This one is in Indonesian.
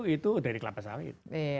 itu dari kelapa sawit